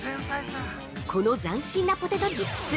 ◆この斬新なポテトチップス！